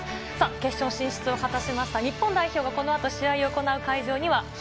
決勝進出を果たしました日本代表がこのあと試合を行う会場には弘